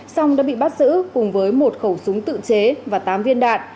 song đã bị bắt giữ cùng với một khẩu súng tự chế và tám viên đạn